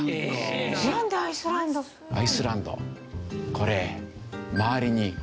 これ。